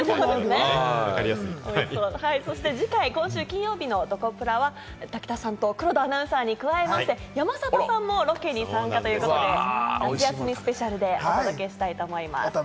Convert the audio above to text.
そして次回、今週金曜日のどこブラは武田さんと黒田さんに加え、山里さんもロケに参加して、夏休みスペシャルでお届けしたいと思います。